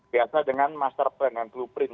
biasa dengan master plan dan blueprint